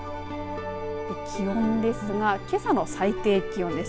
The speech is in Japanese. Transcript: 気温ですがけさの最低気温です。